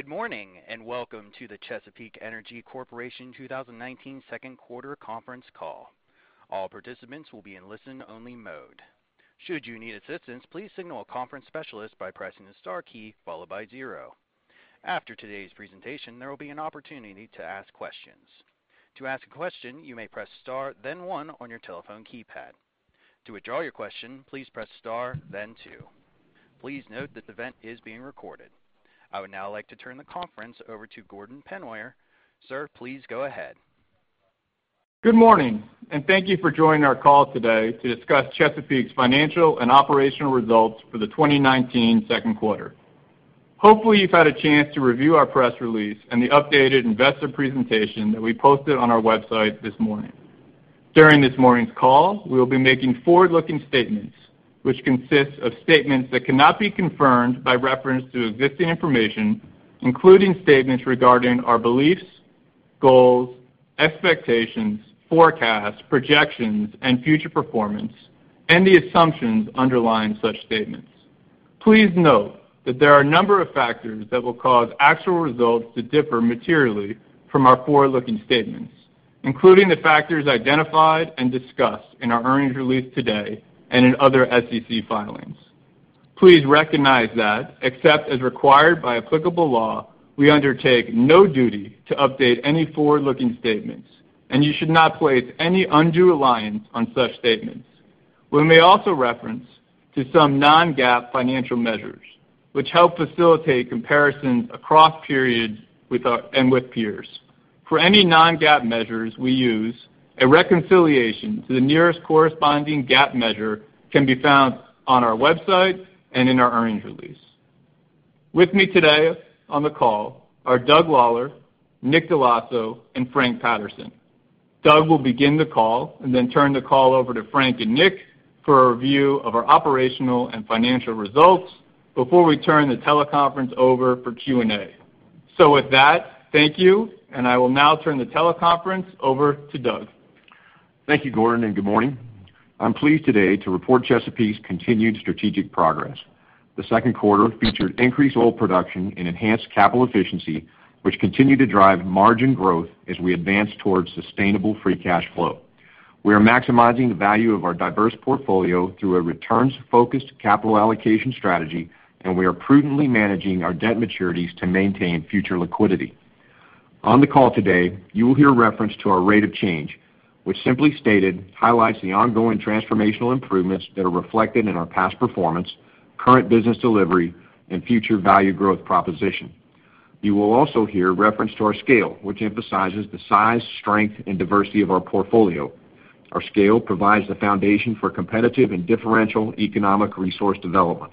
Good morning, and welcome to the Chesapeake Energy Corporation 2019 second quarter conference call. All participants will be in listen-only mode. Should you need assistance, please signal a conference specialist by pressing the star key followed by zero. After today's presentation, there will be an opportunity to ask questions. To ask a question, you may press star then one on your telephone keypad. To withdraw your question, please press star then two. Please note that the event is being recorded. I would now like to turn the conference over to Gordon Pennoyer. Sir, please go ahead. Good morning, and thank you for joining our call today to discuss Chesapeake's financial and operational results for the 2019 second quarter. Hopefully, you've had a chance to review our press release and the updated investor presentation that we posted on our website this morning. During this morning's call, we will be making forward-looking statements, which consist of statements that cannot be confirmed by reference to existing information, including statements regarding our beliefs, goals, expectations, forecasts, projections, and future performance, and the assumptions underlying such statements. Please note that there are a number of factors that will cause actual results to differ materially from our forward-looking statements, including the factors identified and discussed in our earnings release today and in other SEC filings. Please recognize that except as required by applicable law, we undertake no duty to update any forward-looking statements, and you should not place any undue reliance on such statements. We may also reference to some non-GAAP financial measures, which help facilitate comparisons across periods and with peers. For any non-GAAP measures we use, a reconciliation to the nearest corresponding GAAP measure can be found on our website and in our earnings release. With me today on the call are Doug Lawler, Nick Dell'Osso, and Frank Patterson. Doug will begin the call and then turn the call over to Frank and Nick for a review of our operational and financial results before we turn the teleconference over for Q&A. With that, thank you, and I will now turn the teleconference over to Doug. Thank you, Gordon. Good morning. I'm pleased today to report Chesapeake's continued strategic progress. The second quarter featured increased oil production and enhanced capital efficiency, which continue to drive margin growth as we advance towards sustainable free cash flow. We are maximizing the value of our diverse portfolio through a returns-focused capital allocation strategy. We are prudently managing our debt maturities to maintain future liquidity. On the call today, you will hear reference to our rate of change, which simply stated, highlights the ongoing transformational improvements that are reflected in our past performance, current business delivery, and future value growth proposition. You will also hear reference to our scale, which emphasizes the size, strength, and diversity of our portfolio. Our scale provides the foundation for competitive and differential economic resource development.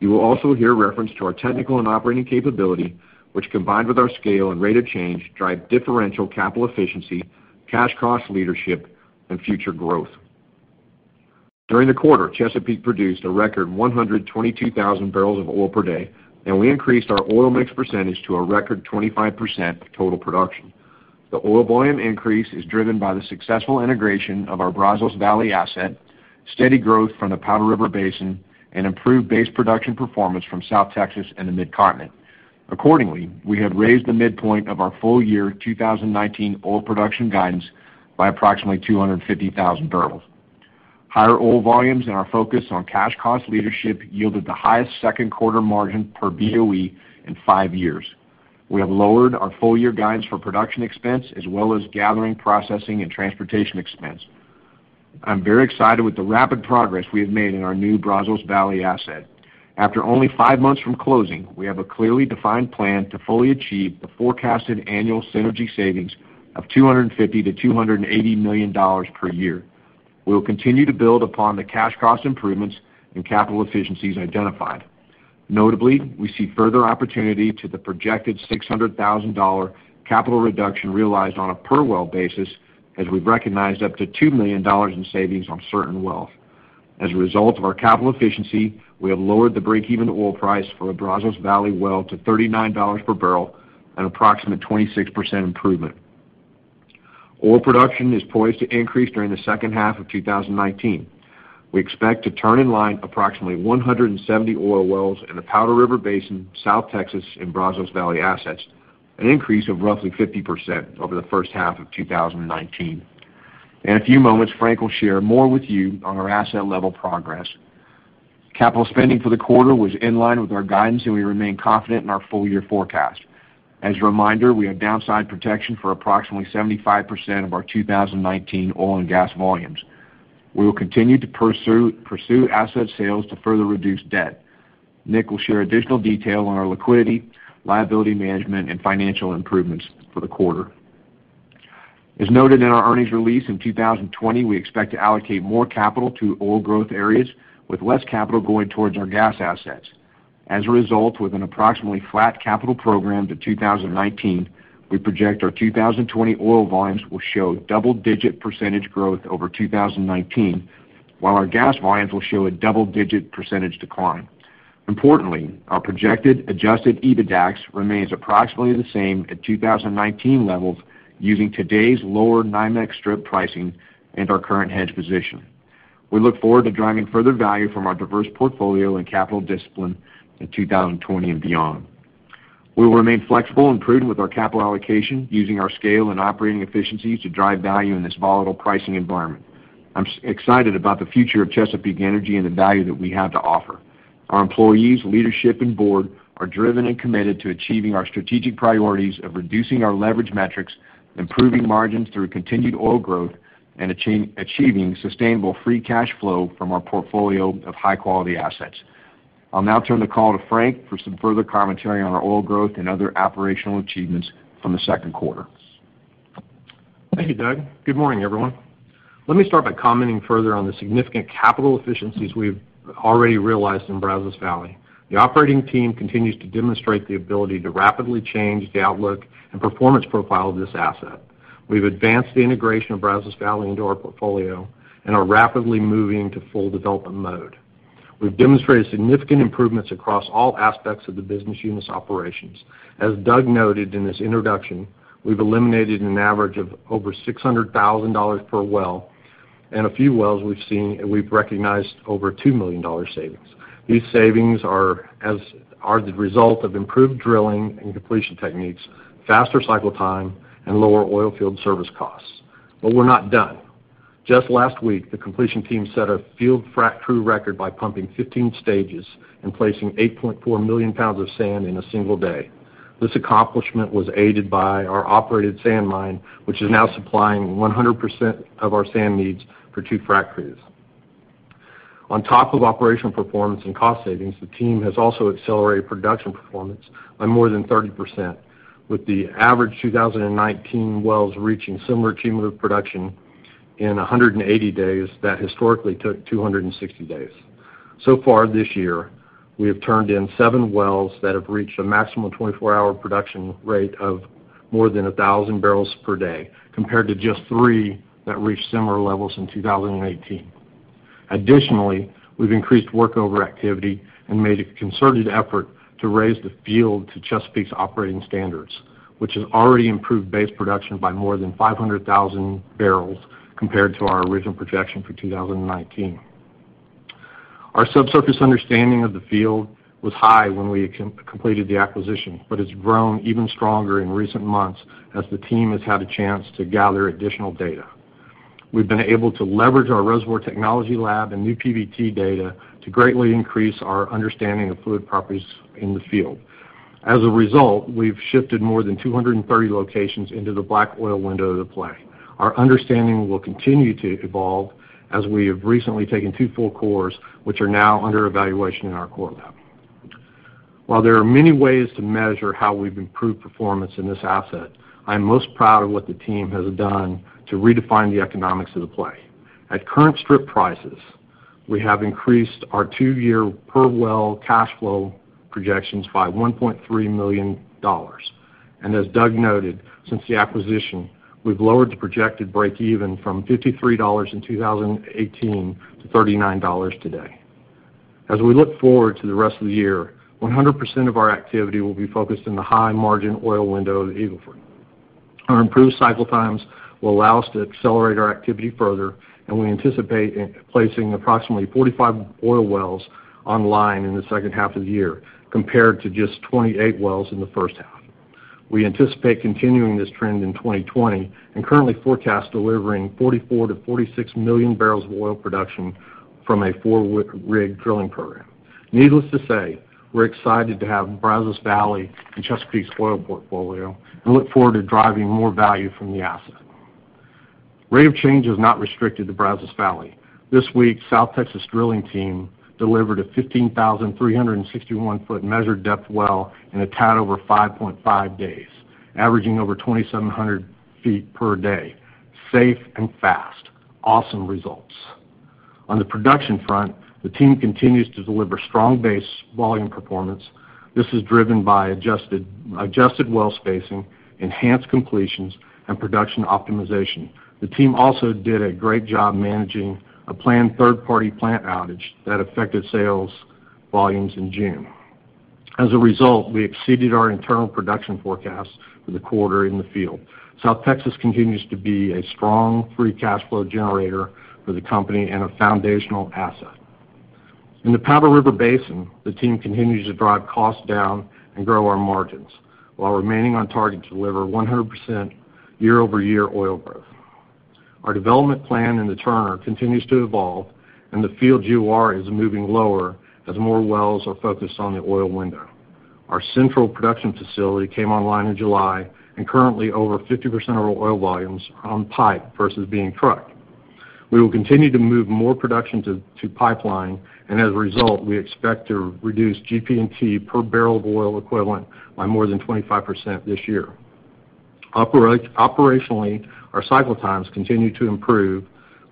You will also hear reference to our technical and operating capability, which, combined with our scale and rate of change, drive differential capital efficiency, cash cost leadership, and future growth. During the quarter, Chesapeake produced a record 122,000 barrels of oil per day, and we increased our oil mix percentage to a record 25% of total production. The oil volume increase is driven by the successful integration of our Brazos Valley asset, steady growth from the Powder River Basin, and improved base production performance from South Texas and the Mid-Continent. Accordingly, we have raised the midpoint of our full year 2019 oil production guidance by approximately 250,000 barrels. Higher oil volumes and our focus on cash cost leadership yielded the highest second quarter margin per BOE in 5 years. We have lowered our full year guidance for production expense as well as gathering, processing, and transportation expense. I'm very excited with the rapid progress we have made in our new Brazos Valley asset. After only five months from closing, we have a clearly defined plan to fully achieve the forecasted annual synergy savings of $250 million-$280 million per year. We will continue to build upon the cash cost improvements and capital efficiencies identified. Notably, we see further opportunity to the projected $600,000 capital reduction realized on a per-well basis, as we've recognized up to $2 million in savings on certain wells. As a result of our capital efficiency, we have lowered the break-even oil price for a Brazos Valley well to $39 per barrel, an approximate 26% improvement. Oil production is poised to increase during the second half of 2019. We expect to turn in line approximately 170 oil wells in the Powder River Basin, South Texas, and Brazos Valley assets, an increase of roughly 50% over the first half of 2019. In a few moments, Frank will share more with you on our asset level progress. Capital spending for the quarter was in line with our guidance, and we remain confident in our full-year forecast. As a reminder, we have downside protection for approximately 75% of our 2019 oil and gas volumes. We will continue to pursue asset sales to further reduce debt. Nick will share additional detail on our liquidity, liability management, and financial improvements for the quarter. As noted in our earnings release, in 2020, we expect to allocate more capital to oil growth areas with less capital going towards our gas assets. As a result, with an approximately flat capital program to 2019, we project our 2020 oil volumes will show double-digit % growth over 2019, while our gas volumes will show a double-digit % decline. Importantly, our projected adjusted EBITDAX remains approximately the same at 2019 levels using today's lower NYMEX strip pricing and our current hedge position. We look forward to driving further value from our diverse portfolio and capital discipline in 2020 and beyond. We will remain flexible and prudent with our capital allocation, using our scale and operating efficiencies to drive value in this volatile pricing environment. I'm excited about the future of Chesapeake Energy and the value that we have to offer. Our employees, leadership, and board are driven and committed to achieving our strategic priorities of reducing our leverage metrics, improving margins through continued oil growth, and achieving sustainable free cash flow from our portfolio of high-quality assets. I'll now turn the call to Frank for some further commentary on our oil growth and other operational achievements from the second quarter. Thank you, Doug. Good morning, everyone. Let me start by commenting further on the significant capital efficiencies we've already realized in Brazos Valley. The operating team continues to demonstrate the ability to rapidly change the outlook and performance profile of this asset. We've advanced the integration of Brazos Valley into our portfolio and are rapidly moving to full development mode. We've demonstrated significant improvements across all aspects of the business unit's operations. As Doug noted in his introduction, we've eliminated an average of over $600,000 per well, and a few wells we've seen, we've recognized over $2 million savings. These savings are the result of improved drilling and completion techniques, faster cycle time, and lower oil field service costs. We're not done. Just last week, the completion team set a field frac crew record by pumping 15 stages and placing 8.4 million pounds of sand in a single day. This accomplishment was aided by our operated sand mine, which is now supplying 100% of our sand needs for two frac crews. On top of operational performance and cost savings, the team has also accelerated production performance by more than 30%, with the average 2019 wells reaching similar cumulative production in 180 days that historically took 260 days. This year, we have turned in seven wells that have reached a maximum 24-hour production rate of more than 1,000 barrels per day, compared to just three that reached similar levels in 2018. Additionally, we've increased workover activity and made a concerted effort to raise the field to Chesapeake's operating standards, which has already improved base production by more than 500,000 barrels compared to our original projection for 2019. Our subsurface understanding of the field was high when we completed the acquisition, but it's grown even stronger in recent months as the team has had a chance to gather additional data. We've been able to leverage our reservoir technology lab and new PVT data to greatly increase our understanding of fluid properties in the field. As a result, we've shifted more than 230 locations into the black oil window of the play. Our understanding will continue to evolve as we have recently taken two full cores, which are now under evaluation in our core lab. While there are many ways to measure how we've improved performance in this asset, I'm most proud of what the team has done to redefine the economics of the play. At current strip prices, we have increased our two-year per well cash flow projections by $1.3 million. As Doug noted, since the acquisition, we've lowered the projected break even from $53 in 2018 to $39 today. As we look forward to the rest of the year, 100% of our activity will be focused in the high-margin oil window of the Eagle Ford. Our improved cycle times will allow us to accelerate our activity further, and we anticipate placing approximately 45 oil wells online in the second half of the year, compared to just 28 wells in the first half. We anticipate continuing this trend in 2020 and currently forecast delivering 44 million-46 million barrels of oil production from a four-rig drilling program. Needless to say, we're excited to have Brazos Valley in Chesapeake's oil portfolio and look forward to driving more value from the asset. Rate of change is not restricted to Brazos Valley. This week, South Texas drilling team delivered a 15,361-foot measured depth well in a tad over 5.5 days, averaging over 2,700 feet per day, safe and fast. Awesome results. On the production front, the team continues to deliver strong base volume performance. This is driven by adjusted well spacing, enhanced completions, and production optimization. The team also did a great job managing a planned third-party plant outage that affected sales volumes in June. As a result, we exceeded our internal production forecast for the quarter in the field. South Texas continues to be a strong free cash flow generator for the company and a foundational asset. In the Powder River Basin, the team continues to drive costs down and grow our margins while remaining on target to deliver 100% year-over-year oil growth. Our development plan in the Turner continues to evolve. The field EUR is moving lower as more wells are focused on the oil window. Our central production facility came online in July. Currently over 50% of our oil volumes are on pipe versus being trucked. We will continue to move more production to pipeline. As a result, we expect to reduce GP&T per barrel of oil equivalent by more than 25% this year. Operationally, our cycle times continue to improve,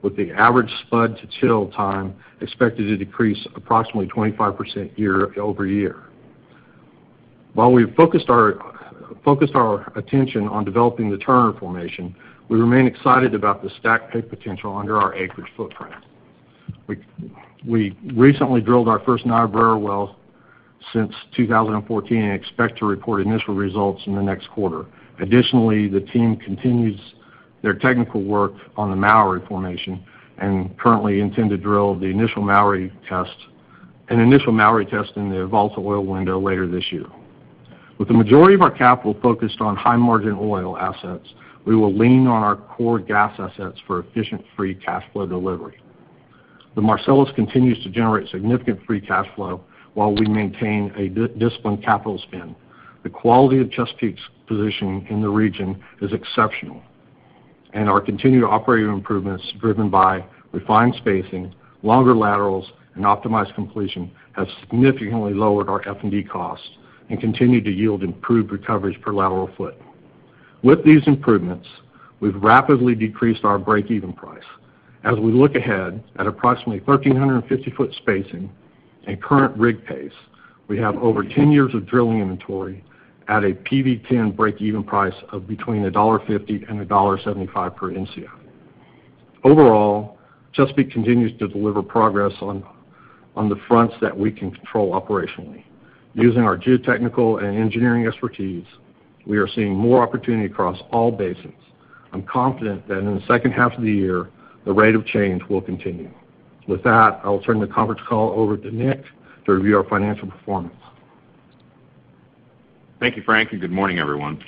with the average Spud-TIL time expected to decrease approximately 25% year-over-year. While we've focused our attention on developing the Turner formation, we remain excited about the stacked-pay potential under our acreage footprint. We recently drilled our first Niobrara well. Since 2014, expect to report initial results in the next quarter. Additionally, the team continues their technical work on the Mowry formation, and currently intend to drill an initial Mowry test in the eval oil window later this year. With the majority of our capital focused on high-margin oil assets, we will lean on our core gas assets for efficient free cash flow delivery. The Marcellus continues to generate significant free cash flow while we maintain a disciplined capital spend. The quality of Chesapeake's position in the region is exceptional, and our continued operating improvements, driven by refined spacing, longer laterals, and optimized completion, have significantly lowered our F&D costs and continue to yield improved recoveries per lateral foot. With these improvements, we've rapidly decreased our break-even price. As we look ahead, at approximately 1,350-foot spacing and current rig pace, we have over 10 years of drilling inventory at a PV-10 break-even price of between $1.50 and $1.75 per Mcf. Overall, Chesapeake continues to deliver progress on the fronts that we can control operationally. Using our geotechnical and engineering expertise, we are seeing more opportunity across all basins. I'm confident that in the second half of the year, the rate of change will continue. With that, I will turn the conference call over to Nick to review our financial performance. Thank you, Frank. Good morning, everyone.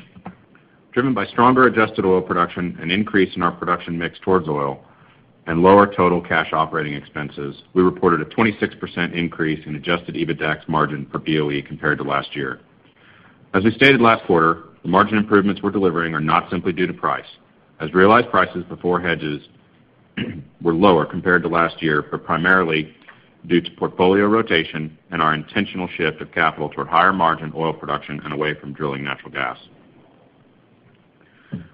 Driven by stronger adjusted oil production, an increase in our production mix towards oil, and lower total cash operating expenses, we reported a 26% increase in adjusted EBITDAX margin for BOE compared to last year. As we stated last quarter, the margin improvements we're delivering are not simply due to price, as realized prices before hedges were lower compared to last year, but primarily due to portfolio rotation and our intentional shift of capital toward higher-margin oil production and away from drilling natural gas.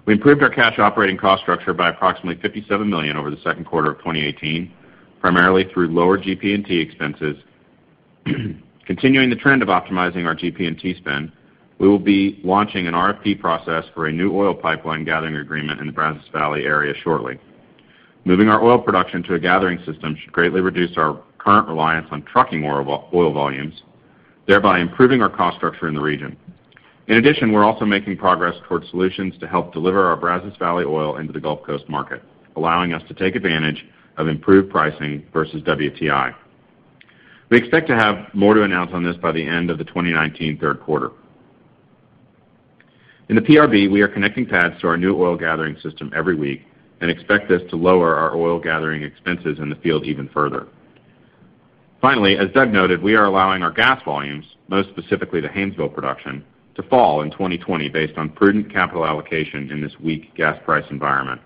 We improved our cash operating cost structure by approximately $57 million over the second quarter of 2018, primarily through lower GP&T expenses. Continuing the trend of optimizing our GP&T spend, we will be launching an RFP process for a new oil pipeline gathering agreement in the Brazos Valley area shortly. Moving our oil production to a gathering system should greatly reduce our current reliance on trucking oil volumes, thereby improving our cost structure in the region. In addition, we're also making progress towards solutions to help deliver our Brazos Valley oil into the Gulf Coast market, allowing us to take advantage of improved pricing versus WTI. We expect to have more to announce on this by the end of the 2019 third quarter. In the PRB, we are connecting pads to our new oil gathering system every week and expect this to lower our oil gathering expenses in the field even further. As Doug noted, we are allowing our gas volumes, most specifically the Haynesville production, to fall in 2020 based on prudent capital allocation in this weak gas price environment.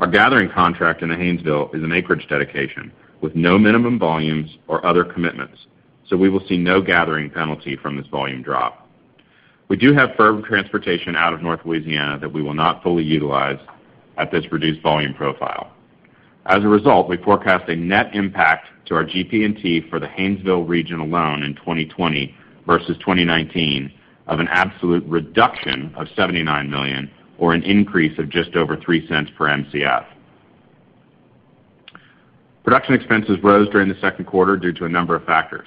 Our gathering contract in the Haynesville is an acreage dedication with no minimum volumes or other commitments, so we will see no gathering penalty from this volume drop. We do have firm transportation out of North Louisiana that we will not fully utilize at this reduced volume profile. As a result, we forecast a net impact to our GP&T for the Haynesville region alone in 2020 versus 2019 of an absolute reduction of $79 million, or an increase of just over $0.03 per Mcf. Production expenses rose during the second quarter due to a number of factors.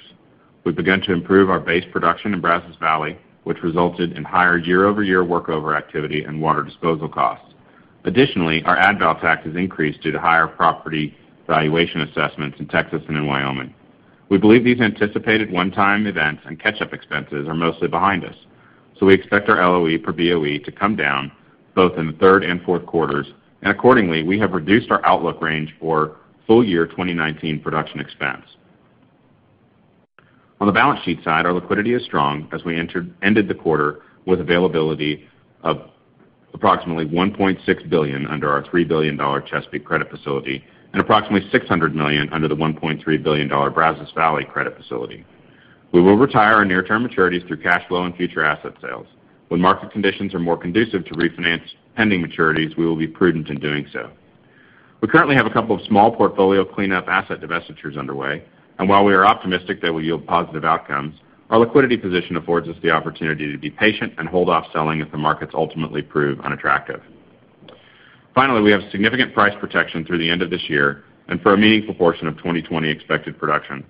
We began to improve our base production in Brazos Valley, which resulted in higher year-over-year workover activity and water disposal costs. Additionally, our ad val taxes increased due to higher property valuation assessments in Texas and in Wyoming. We believe these anticipated one-time events and catch-up expenses are mostly behind us, so we expect our LOE per BOE to come down both in the third and fourth quarters, and accordingly, we have reduced our outlook range for full-year 2019 production expense. On the balance sheet side, our liquidity is strong as we ended the quarter with availability of approximately $1.6 billion under our $3 billion Chesapeake credit facility and approximately $600 million under the $1.3 billion Brazos Valley credit facility. We will retire our near-term maturities through cash flow and future asset sales. When market conditions are more conducive to refinance pending maturities, we will be prudent in doing so. We currently have a couple of small portfolio cleanup asset divestitures underway, while we are optimistic they will yield positive outcomes, our liquidity position affords us the opportunity to be patient and hold off selling if the markets ultimately prove unattractive. Finally, we have significant price protection through the end of this year and for a meaningful portion of 2020 expected production.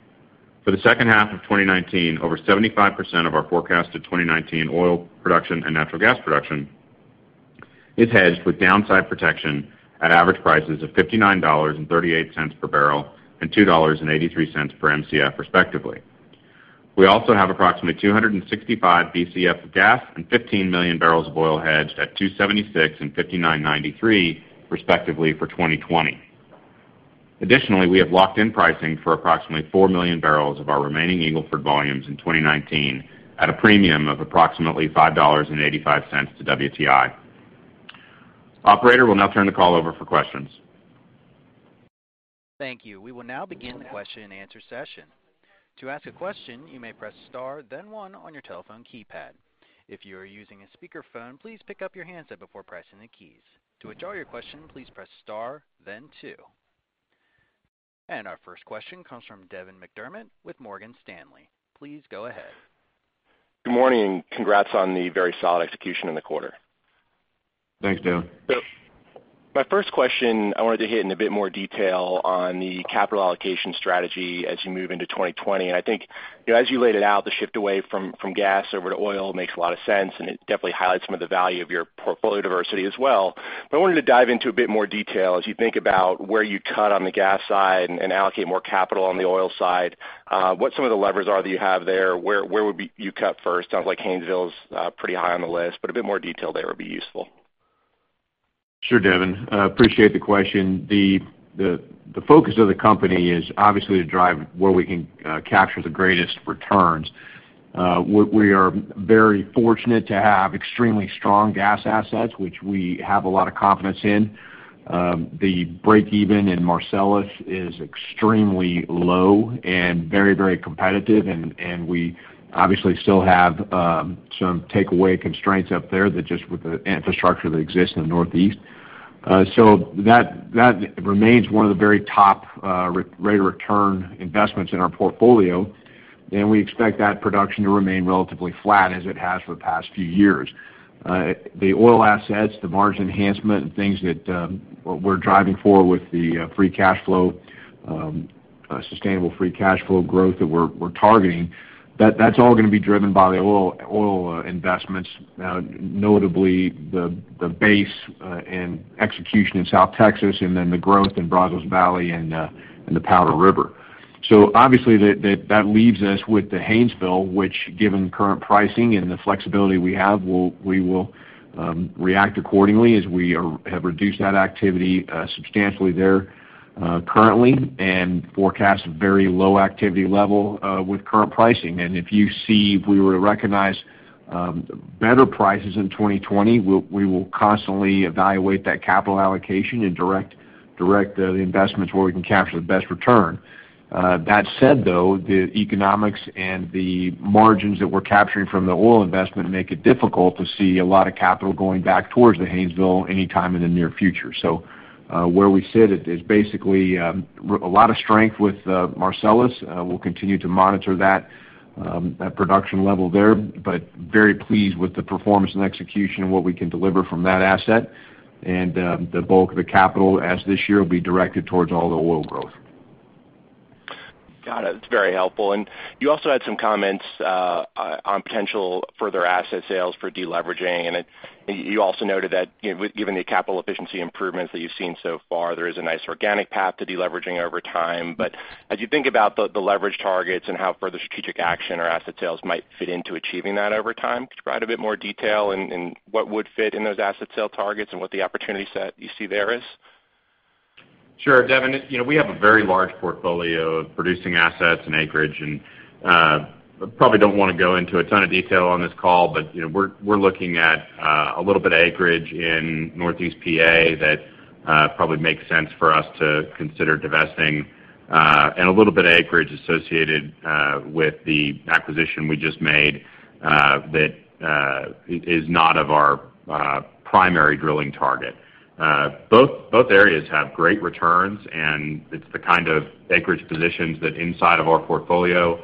For the second half of 2019, over 75% of our forecasted 2019 oil production and natural gas production is hedged with downside protection at average prices of $59.38 per barrel and $2.83 per Mcf respectively. We also have approximately 265 Bcf of gas and 15 million barrels of oil hedged at $276 and $59.93 respectively for 2020. Additionally, we have locked in pricing for approximately 4 million barrels of our remaining Eagle Ford volumes in 2019 at a premium of approximately $5.85 to WTI. Operator, we'll now turn the call over for questions. Thank you. We will now begin the question and answer session. To ask a question, you may press star then one on your telephone keypad. If you are using a speakerphone, please pick up your handset before pressing the keys. To withdraw your question, please press star then two. Our first question comes from Devin McDermott with Morgan Stanley. Please go ahead. Good morning. Congrats on the very solid execution in the quarter. Thanks, Devin. My first question, I wanted to hit in a bit more detail on the capital allocation strategy as you move into 2020. I think, as you laid it out, the shift away from gas over to oil makes a lot of sense, and it definitely highlights some of the value of your portfolio diversity as well. I wanted to dive into a bit more detail. As you think about where you cut on the gas side and allocate more capital on the oil side, what some of the levers are that you have there? Where would you cut first? Sounds like Haynesville's pretty high on the list, but a bit more detail there would be useful. Sure, Devin. Appreciate the question. The focus of the company is obviously to drive where we can capture the greatest returns. We are very fortunate to have extremely strong gas assets, which we have a lot of confidence in. The breakeven in Marcellus is extremely low and very competitive. We obviously still have some takeaway constraints up there that just with the infrastructure that exists in the Northeast. That remains one of the very top rate of return investments in our portfolio. We expect that production to remain relatively flat as it has for the past few years. The oil assets, the margin enhancement, and things that we're driving for with the sustainable free cash flow growth that we're targeting, that's all going to be driven by the oil investments, notably the base and execution in South Texas, and then the growth in Brazos Valley and the Powder River. Obviously, that leaves us with the Haynesville, which given current pricing and the flexibility we have, we will react accordingly as we have reduced that activity substantially there currently and forecast very low activity level with current pricing. If you see, if we were to recognize better prices in 2020, we will constantly evaluate that capital allocation and direct the investments where we can capture the best return. That said, though, the economics and the margins that we're capturing from the oil investment make it difficult to see a lot of capital going back towards the Haynesville anytime in the near future. Where we sit, it is basically a lot of strength with Marcellus. We'll continue to monitor that production level there, but very pleased with the performance and execution and what we can deliver from that asset. The bulk of the capital as this year will be directed towards all the oil growth. Got it. It's very helpful. You also had some comments on potential further asset sales for de-leveraging. You also noted that given the capital efficiency improvements that you've seen so far, there is a nice organic path to de-leveraging over time. As you think about the leverage targets and how further strategic action or asset sales might fit into achieving that over time, could you provide a bit more detail in what would fit in those asset sale targets and what the opportunity set you see there is? Sure, Devin. We have a very large portfolio of producing assets and acreage, probably don't want to go into a ton of detail on this call, but we're looking at a little bit of acreage in northeast P.A. that probably makes sense for us to consider divesting. A little bit of acreage associated with the acquisition we just made that is not of our primary drilling target. Both areas have great returns, it's the kind of acreage positions that inside of our portfolio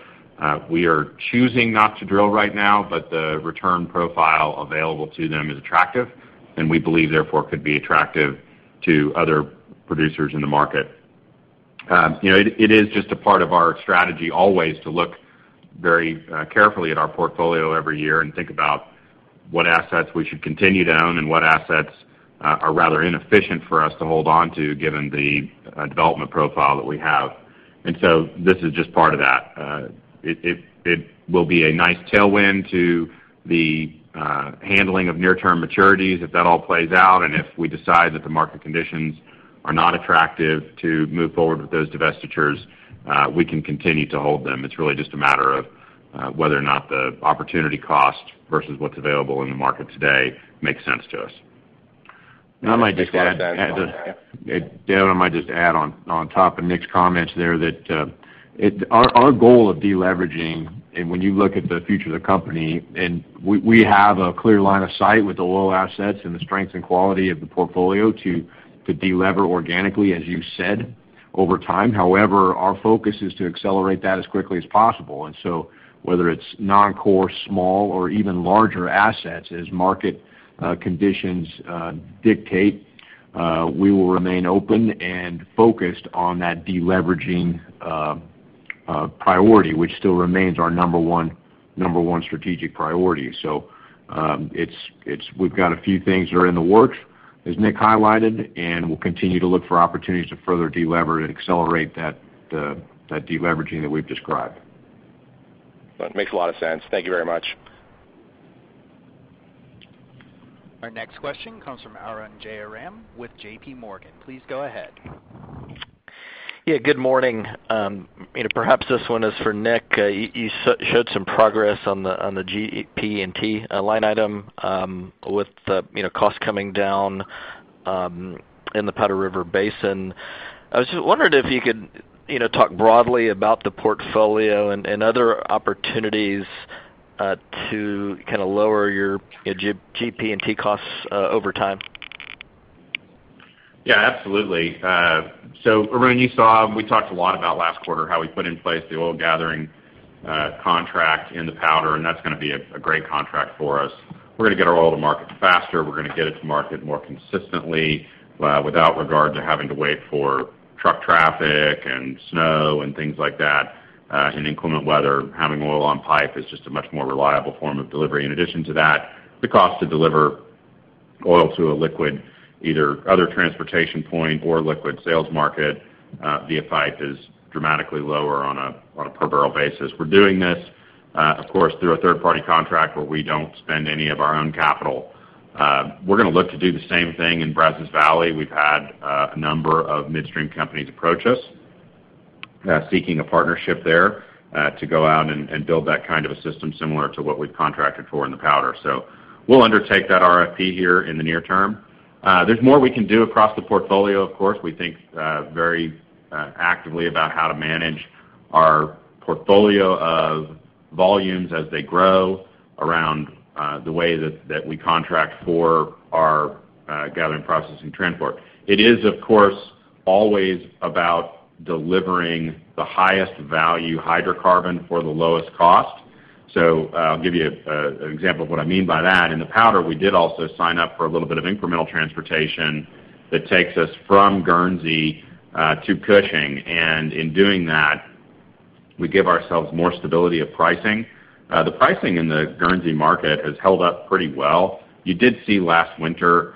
we are choosing not to drill right now, the return profile available to them is attractive and we believe therefore could be attractive to other producers in the market. It is just a part of our strategy always to look very carefully at our portfolio every year and think about what assets we should continue to own and what assets are rather inefficient for us to hold on to given the development profile that we have. This is just part of that. It will be a nice tailwind to the handling of near-term maturities if that all plays out, and if we decide that the market conditions are not attractive to move forward with those divestitures, we can continue to hold them. It's really just a matter of whether or not the opportunity cost versus what's available in the market today makes sense to us. I might just add, Devin, I might just add on top of Nick's comments there that our goal of de-leveraging, when you look at the future of the company, we have a clear line of sight with the oil assets and the strengths and quality of the portfolio to de-lever organically, as you said, over time. However, our focus is to accelerate that as quickly as possible. Whether it's non-core, small, or even larger assets, as market conditions dictate, we will remain open and focused on that de-leveraging priority, which still remains our number 1 strategic priority. We've got a few things that are in the works, as Nick highlighted, we'll continue to look for opportunities to further de-lever and accelerate that de-leveraging that we've described. That makes a lot of sense. Thank you very much. Our next question comes from Arun Jayaram with JPMorgan. Please go ahead. Yeah. Good morning. Perhaps this one is for Nick. You showed some progress on the GP&T line item with the cost coming down in the Powder River Basin. I was just wondering if you could talk broadly about the portfolio and other opportunities to lower your GP&T costs over time. Absolutely. Arun, you saw we talked a lot about last quarter, how we put in place the oil gathering contract in the Powder, and that's going to be a great contract for us. We're going to get our oil to market faster. We're going to get it to market more consistently without regard to having to wait for truck traffic and snow and things like that. In inclement weather, having oil on pipe is just a much more reliable form of delivery. In addition to that, the cost to deliver oil to a liquid, either other transportation point or liquid sales market via pipe is dramatically lower on a per-barrel basis. We're doing this, of course, through a third-party contract where we don't spend any of our own capital. We're going to look to do the same thing in Brazos Valley. We've had a number of midstream companies approach us seeking a partnership there to go out and build that kind of a system similar to what we've contracted for in the Powder. We'll undertake that RFP here in the near term. There's more we can do across the portfolio, of course. We think very actively about how to manage our portfolio of volumes as they grow around the way that we contract for our gathering process and transport. It is, of course, always about delivering the highest value hydrocarbon for the lowest cost. I'll give you an example of what I mean by that. In the Powder, we did also sign up for a little bit of incremental transportation that takes us from Guernsey to Cushing, and in doing that, we give ourselves more stability of pricing. The pricing in the Guernsey market has held up pretty well. You did see last winter,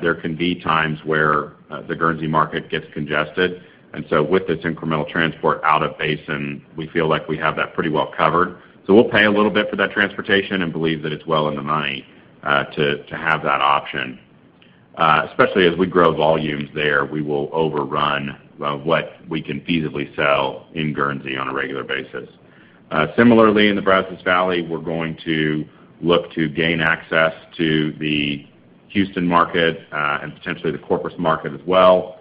there can be times where the Guernsey market gets congested, and so with this incremental transport out of basin, we feel like we have that pretty well covered. We'll pay a little bit for that transportation and believe that it's well in the money to have that option. Especially as we grow volumes there, we will overrun what we can feasibly sell in Guernsey on a regular basis. Similarly, in the Brazos Valley, we're going to look to gain access to the Houston market and potentially the Corpus market as well,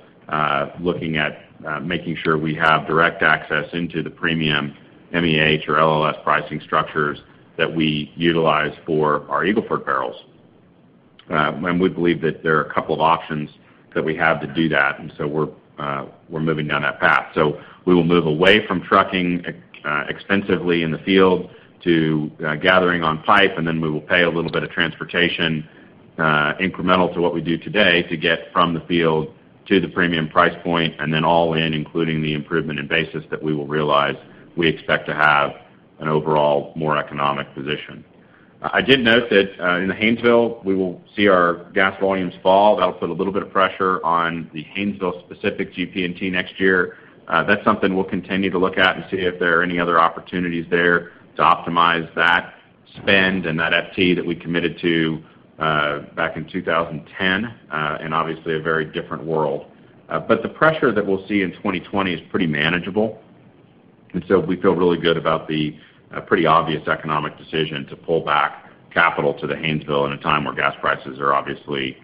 looking at making sure we have direct access into the premium MEH or LLS pricing structures that we utilize for our Eagle Ford barrels. We believe that there are a couple of options that we have to do that, and so we're moving down that path. We will move away from trucking extensively in the field to gathering on pipe, and then we will pay a little bit of transportation incremental to what we do today to get from the field to the premium price point, and then all in, including the improvement in basis that we will realize we expect to have an overall more economic position. I did note that in the Haynesville, we will see our gas volumes fall. That'll put a little bit of pressure on the Haynesville specific GP&T next year. That's something we'll continue to look at and see if there are any other opportunities there to optimize that spend and that FT that we committed to back in 2010, in obviously a very different world. The pressure that we'll see in 2020 is pretty manageable, and so we feel really good about the pretty obvious economic decision to pull back capital to the Haynesville at a time where gas prices are obviously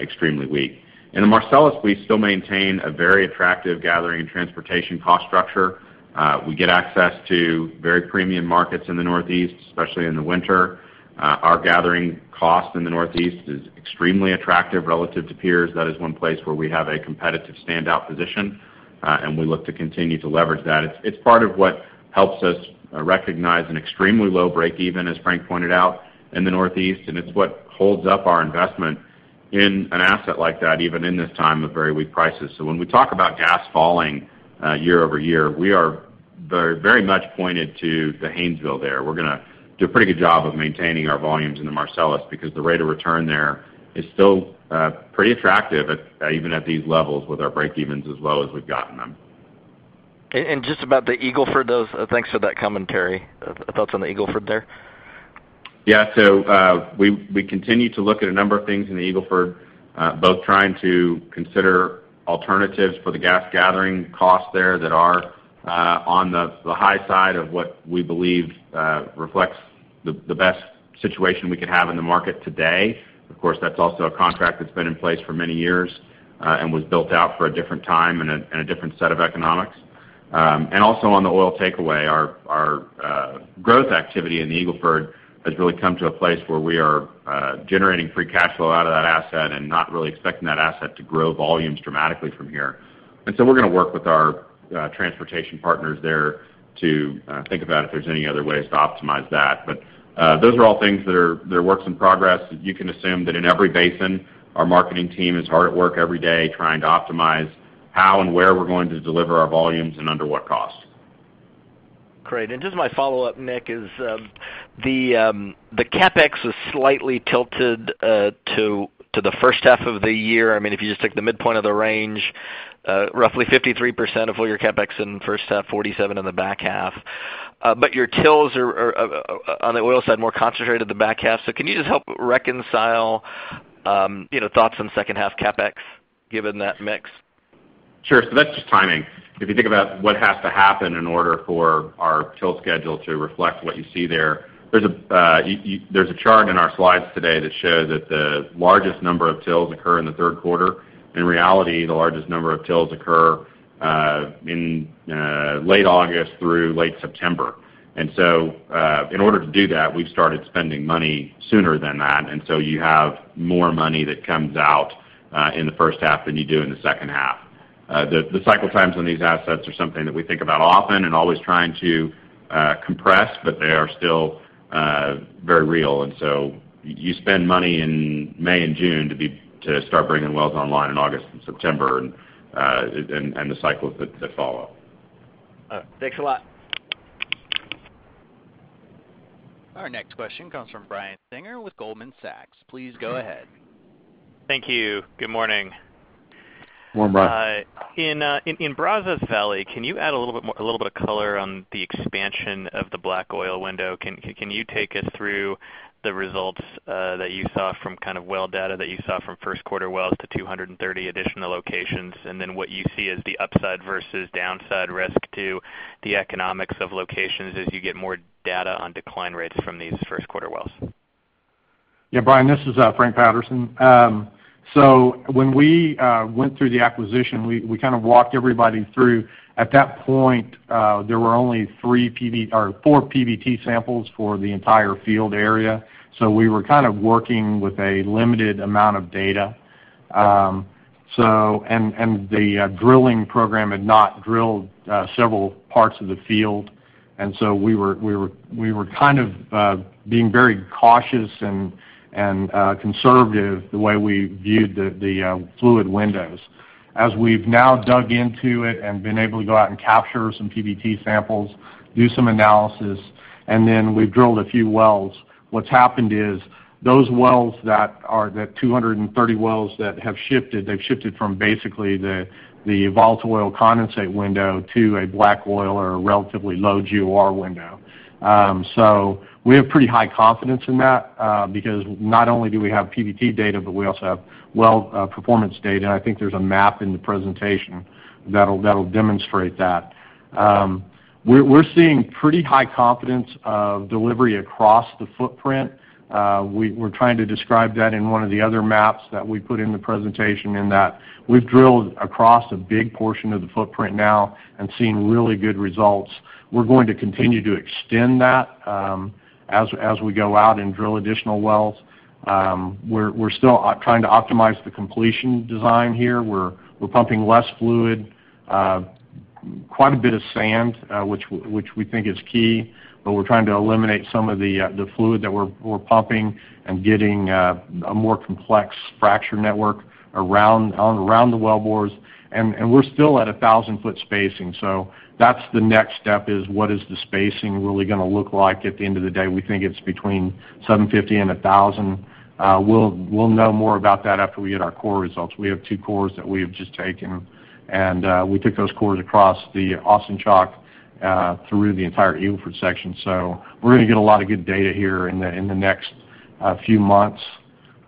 extremely weak. In the Marcellus, we still maintain a very attractive gathering and transportation cost structure. We get access to very premium markets in the Northeast, especially in the winter. Our gathering cost in the Northeast is extremely attractive relative to peers. That is one place where we have a competitive standout position, and we look to continue to leverage that. It's part of what helps us recognize an extremely low break-even, as Frank pointed out, in the Northeast, and it's what holds up our investment in an asset like that, even in this time of very weak prices. When we talk about gas falling year-over-year, we are very much pointed to the Haynesville there. We're going to do a pretty good job of maintaining our volumes in the Marcellus because the rate of return there is still pretty attractive, even at these levels with our break-evens as low as we've gotten them. Just about the Eagle Ford, thanks for that commentary. Thoughts on the Eagle Ford there? Yeah. We continue to look at a number of things in the Eagle Ford, both trying to consider alternatives for the gas gathering costs there that are on the high side of what we believe reflects the best situation we could have in the market today. Of course, that's also a contract that's been in place for many years and was built out for a different time and a different set of economics. Also on the oil takeaway, our growth activity in the Eagle Ford has really come to a place where we are generating free cash flow out of that asset and not really expecting that asset to grow volumes dramatically from here. We're going to work with our transportation partners there to think about if there's any other ways to optimize that. Those are all things that are works in progress. You can assume that in every basin, our marketing team is hard at work every day trying to optimize how and where we're going to deliver our volumes and under what cost. Great. Just my follow-up, Nick, is the CapEx is slightly tilted to the first half of the year. If you just take the midpoint of the range, roughly 53% of all your CapEx in the first half, 47% in the back half. Your tills are, on the oil side, more concentrated in the back half. Can you just help reconcile thoughts on second half CapEx given that mix? Sure. That's just timing. If you think about what has to happen in order for our till schedule to reflect what you see there's a chart in our slides today that show that the largest number of tills occur in the third quarter. In reality, the largest number of tills occur in late August through late September. In order to do that, we've started spending money sooner than that. You have more money that comes out in the first half than you do in the second half. The cycle times on these assets are something that we think about often and always trying to compress, but they are still very real. You spend money in May and June to start bringing wells online in August and September, and the cycles that follow. All right. Thanks a lot. Our next question comes from Brian Singer with Goldman Sachs. Please go ahead. Thank you. Good morning. Good morning, Brian. In Brazos Valley, can you add a little bit of color on the expansion of the black oil window? Can you take us through the results that you saw from well data that you saw from first quarter wells to 230 additional locations, and then what you see as the upside versus downside risk to the economics of locations as you get more data on decline rates from these first quarter wells? Brian, this is Frank Patterson. When we went through the acquisition, we walked everybody through. At that point, there were only four PVT samples for the entire field area. We were working with a limited amount of data. The drilling program had not drilled several parts of the field, we were being very cautious and conservative the way we viewed the fluid windows. As we've now dug into it and been able to go out and capture some PVT samples, do some analysis, we've drilled a few wells. What's happened is those wells, the 230 wells that have shifted, they've shifted from basically the volatile oil condensate window to a black oil or a relatively low GOR window. We have pretty high confidence in that, because not only do we have PVT data, but we also have well performance data, and I think there's a map in the presentation that'll demonstrate that. We're seeing pretty high confidence of delivery across the footprint. We're trying to describe that in one of the other maps that we put in the presentation in that we've drilled across a big portion of the footprint now and seen really good results. We're going to continue to extend that as we go out and drill additional wells. We're still trying to optimize the completion design here. We're pumping less fluid, quite a bit of sand, which we think is key, but we're trying to eliminate some of the fluid that we're pumping and getting a more complex fracture network around the well bores. We're still at 1,000-foot spacing. That's the next step, is what is the spacing really going to look like at the end of the day? We think it's between 750 and 1,000. We'll know more about that after we get our core results. We have two cores that we have just taken, and we took those cores across the Austin Chalk through the entire Eagle Ford section. We're going to get a lot of good data here in the next few months.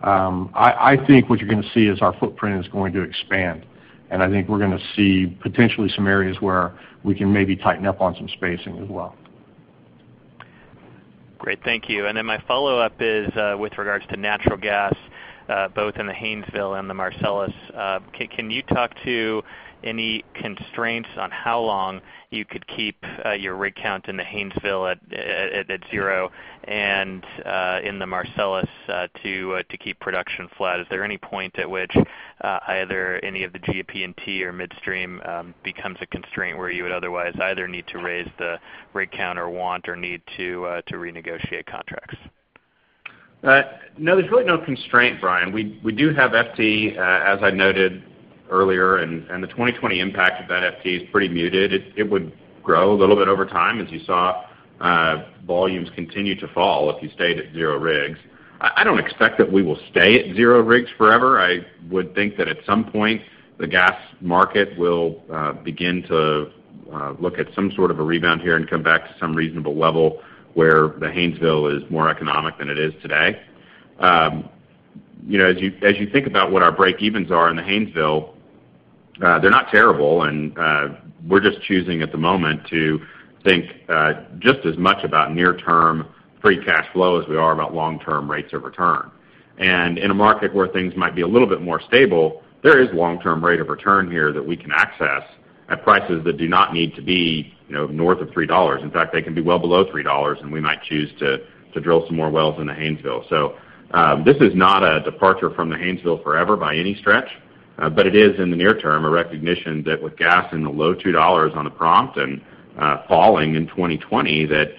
I think what you're going to see is our footprint is going to expand, and I think we're going to see potentially some areas where we can maybe tighten up on some spacing as well. Great. Thank you. My follow-up is with regards to natural gas, both in the Haynesville and the Marcellus. Can you talk to any constraints on how long you could keep your rig count in the Haynesville at zero and in the Marcellus to keep production flat? Is there any point at which either any of the GP&T or midstream becomes a constraint where you would otherwise either need to raise the rig count or want or need to renegotiate contracts? There's really no constraint, Brian. We do have FT, as I noted earlier, and the 2020 impact of that FT is pretty muted. It would grow a little bit over time as you saw volumes continue to fall if you stayed at zero rigs. I don't expect that we will stay at zero rigs forever. I would think that at some point, the gas market will begin to look at some sort of a rebound here and come back to some reasonable level where the Haynesville is more economic than it is today. As you think about what our breakevens are in the Haynesville, they're not terrible, and we're just choosing at the moment to think just as much about near-term free cash flow as we are about long-term rates of return. In a market where things might be a little bit more stable, there is long-term rate of return here that we can access at prices that do not need to be north of $3. In fact, they can be well below $3, and we might choose to drill some more wells in the Haynesville. This is not a departure from the Haynesville forever by any stretch. It is, in the near term, a recognition that with gas in the low $2 on the prompt and falling in 2020, that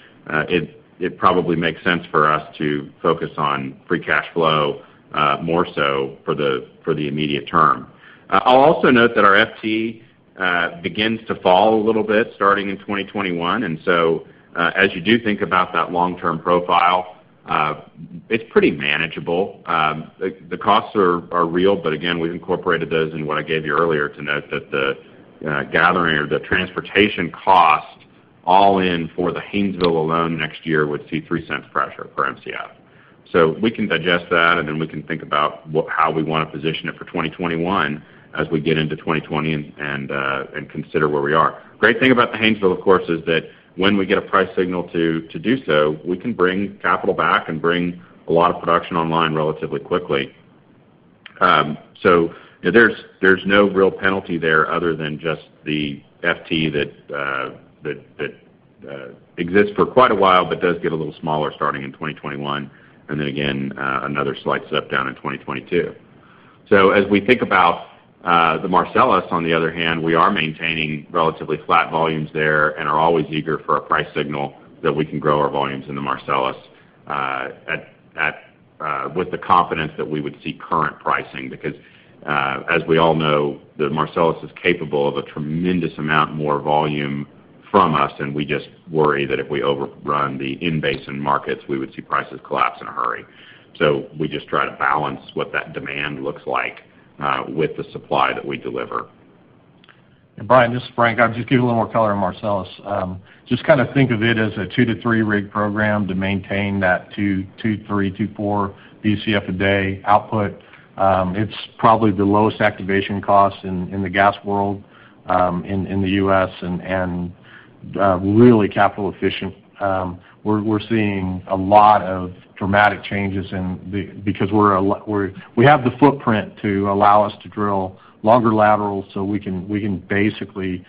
it probably makes sense for us to focus on free cash flow more so for the immediate term. I'll also note that our FT begins to fall a little bit starting in 2021. As you do think about that long-term profile, it's pretty manageable. The costs are real, but again, we've incorporated those in what I gave you earlier to note that the gathering or the transportation cost all in for the Haynesville alone next year would see $0.03 pressure per Mcf. We can digest that, and then we can think about how we want to position it for 2021 as we get into 2020 and consider where we are. Great thing about the Haynesville, of course, is that when we get a price signal to do so, we can bring capital back and bring a lot of production online relatively quickly. There's no real penalty there other than just the FT that exists for quite a while, but does get a little smaller starting in 2021, and then again, another slight step down in 2022. As we think about the Marcellus, on the other hand, we are maintaining relatively flat volumes there and are always eager for a price signal that we can grow our volumes in the Marcellus with the confidence that we would see current pricing. As we all know, the Marcellus is capable of a tremendous amount more volume from us, and we just worry that if we overrun the in-basin markets, we would see prices collapse in a hurry. We just try to balance what that demand looks like with the supply that we deliver. Brian, this is Frank. I'll just give you a little more color on Marcellus. Just think of it as a two to three rig program to maintain that 2.3, 2.4 Bcf a day output. It's probably the lowest activation cost in the gas world in the U.S. and really capital efficient. We're seeing a lot of dramatic changes because we have the footprint to allow us to drill longer laterals, so we can basically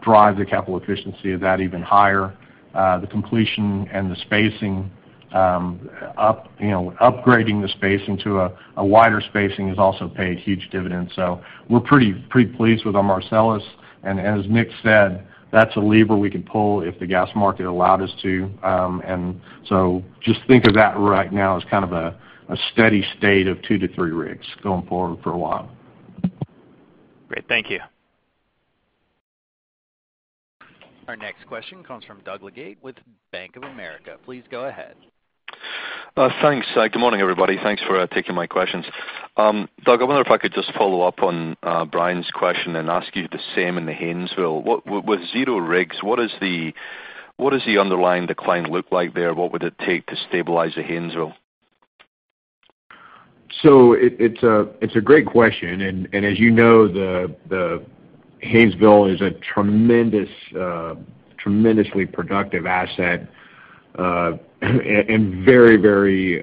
drive the capital efficiency of that even higher. The completion and the spacing, upgrading the spacing to a wider spacing has also paid huge dividends. We're pretty pleased with our Marcellus. As Nick said, that's a lever we could pull if the gas market allowed us to. Just think of that right now as a steady state of two to three rigs going forward for a while. Great. Thank you. Our next question comes from Douglas Leggate with Bank of America. Please go ahead. Thanks. Good morning, everybody. Thanks for taking my questions. Doug, I wonder if I could just follow up on Brian's question and ask you the same in the Haynesville. With 0 rigs, what does the underlying decline look like there? What would it take to stabilize the Haynesville? It's a great question. As you know, the Haynesville is a tremendously productive asset and very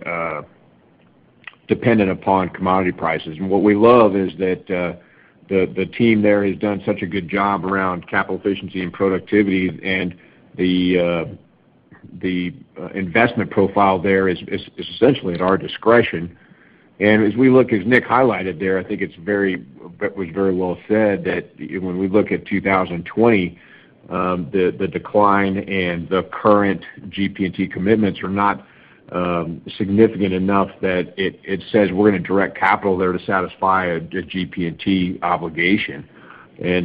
dependent upon commodity prices. What we love is that the team there has done such a good job around capital efficiency and productivity, and the investment profile there is essentially at our discretion. As Nick highlighted there, I think it was very well said that when we look at 2020, the decline and the current GP&T commitments are not significant enough that it says we're going to direct capital there to satisfy a GP&T obligation. As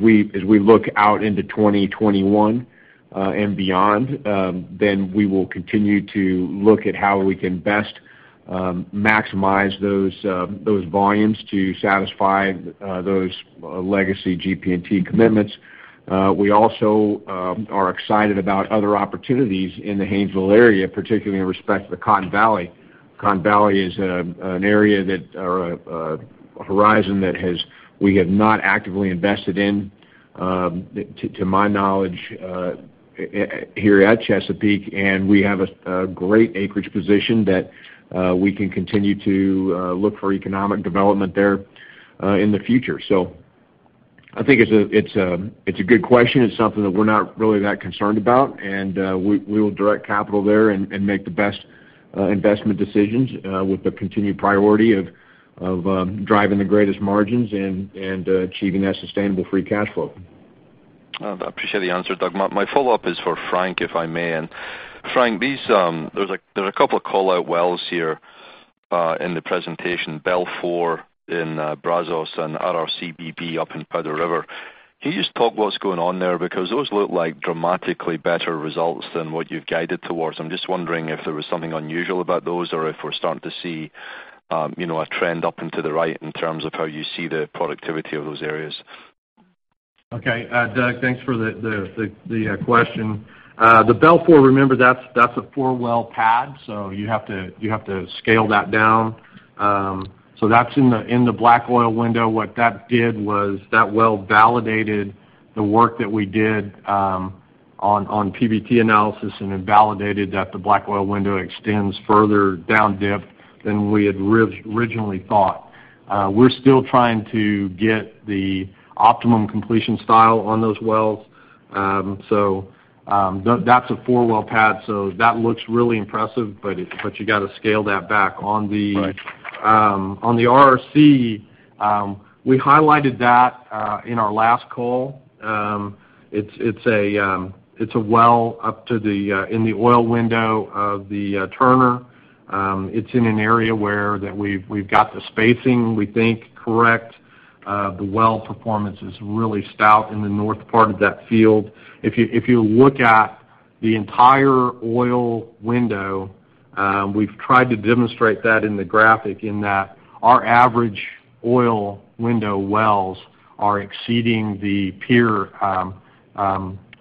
we look out into 2021 and beyond, then we will continue to look at how we can best maximize those volumes to satisfy those legacy GP&T commitments. We also are excited about other opportunities in the Haynesville area, particularly in respect to the Cotton Valley. Cotton Valley is an area or a horizon that we have not actively invested in, to my knowledge, here at Chesapeake. We have a great acreage position that we can continue to look for economic development there in the future. I think it's a good question. It's something that we're not really that concerned about, and we will direct capital there and make the best investment decisions with the continued priority of driving the greatest margins and achieving that sustainable free cash flow. I appreciate the answer, Doug. My follow-up is for Frank, if I may. Frank, there's a couple of call-out wells here in the presentation, Balfour in Brazos and RRC BP up in Powder River. Can you just talk what's going on there? Because those look like dramatically better results than what you've guided towards. I'm just wondering if there was something unusual about those, or if we're starting to see a trend up and to the right in terms of how you see the productivity of those areas. Okay. Doug, thanks for the question. The Balfour, remember, that's a four-well pad, you have to scale that down. That's in the black oil window. What that did was that well validated the work that we did on PVT analysis, and it validated that the black oil window extends further down dip than we had originally thought. We're still trying to get the optimum completion style on those wells. That's a four-well pad, that looks really impressive, but you got to scale that back. Right. On the RRC, we highlighted that in our last call. It's a well up in the oil window of the Turner. It's in an area where we've got the spacing, we think, correct. The well performance is really stout in the north part of that field. If you look at the entire oil window, we've tried to demonstrate that in the graphic in that our average oil window wells are exceeding the peer